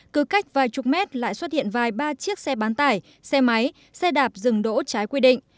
cứ cách vài chục mét lại xuất hiện vài ba chiếc xe bán tải xe máy xe đạp dừng đỗ trái quy định